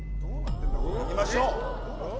いきましょう。